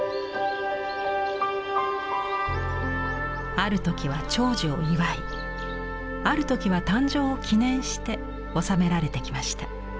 ある時は長寿を祝いある時は誕生を記念して納められてきました。